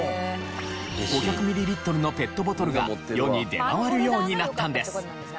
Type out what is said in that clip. ５００ミリリットルのペットボトルが世に出回るようになったんです。